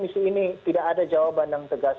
isu ini tidak ada jawaban yang tegas